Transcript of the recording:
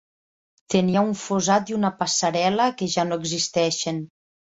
Tenia un fossat i un passarel·la que ja no existeixen.